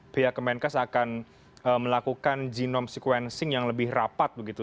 pihak kemenkes akan melakukan genome sequencing yang lebih rapat begitu